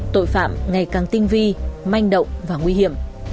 tội phạm ngày càng tinh vi manh động và nguy hiểm